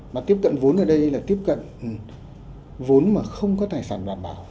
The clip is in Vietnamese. mà tiếp cận vốn ở đây là tiếp cận vốn mà không có tài sản đảm bảo